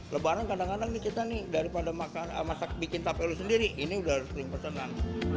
lebaran kadang kadang di kita nih daripada makan masak bikin tape lu sendiri ini udah sering pesanan